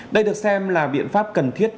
đây được xem là biện pháp cần thiết